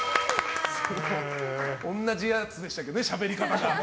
同じやつでしたけどねしゃべり方が。